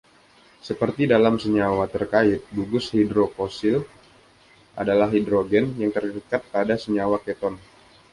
Seperti dalam senyawa terkait, gugus hidroksil adalah hidrogen yang terikat pada senyawa keton.